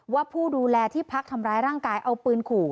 ผู้ดูแลที่พักทำร้ายร่างกายเอาปืนขู่